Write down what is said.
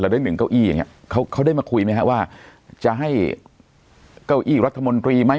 ได้หนึ่งเก้าอี้อย่างเงี้ยเขาเขาได้มาคุยไหมฮะว่าจะให้เก้าอี้รัฐมนตรีไหม